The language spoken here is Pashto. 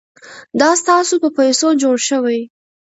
دا ستاسو په پیسو جوړ شوي.